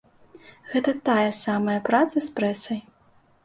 Гэта тая самая праца з прэсай.